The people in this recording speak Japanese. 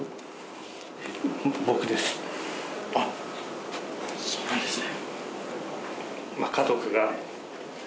あっそうなんですね。